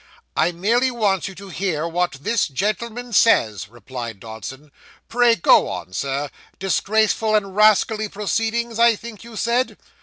'I merely want you to hear what this gentleman says,' replied Dodson. 'Pray, go on, sir disgraceful and rascally proceedings, I think you said?